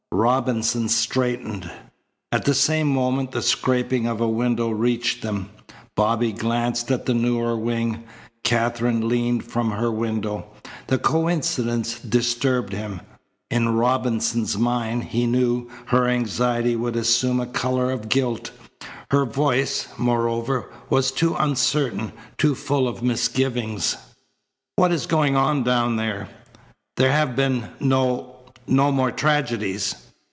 Robinson straightened. At the same moment the scraping of a window reached them. Bobby glanced at the newer wing. Katherine leaned from her window. The coincidence disturbed him. In Robinson's mind, he knew, her anxiety would assume a colour of guilt. Her voice, moreover, was too uncertain, too full of misgivings: "What is going on down there? There have been no no more tragedies?"